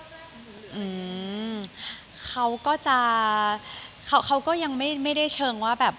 แบบอืมคือแบบของคุณบางนี่ไหมคะแบบอืมเขาก็จะเขาก็ยังไม่ไม่ได้เชิงว่าแบบ